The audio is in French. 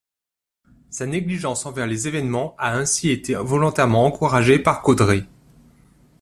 Sa négligence envers les évènements a ainsi été volontairement encouragée par Kodré.